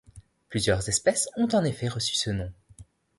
Plusieurs espèces ont en effet reçu ce nom.